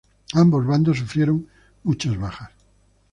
Ambos bandos sufrieron muchas bajas.